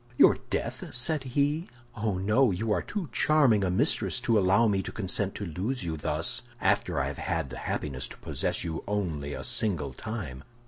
"'Your death?' said he; 'oh, no, you are too charming a mistress to allow me to consent to lose you thus, after I have had the happiness to possess you only a single time.